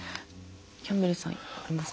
キャンベルさんありますか？